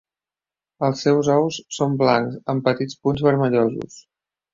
Els seus ous son blancs amb petits punts vermellosos.